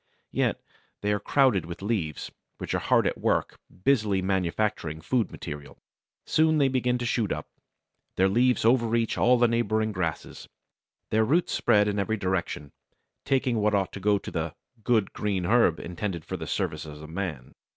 Yet they are crowded with leaves, which are hard at work busily manufacturing food material. Soon they begin to shoot up. Their leaves overreach all the neighbouring grasses. Their roots spread in every direction, taking what ought to go to the "good green herb intended for the service of man."